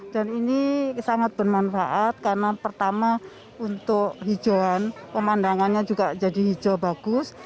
dan ini sangat bermanfaat karena pertama untuk hijauan pemandangannya juga jadi hijau bagus